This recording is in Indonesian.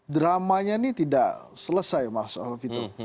dramanya ini tidak selesai mas alvito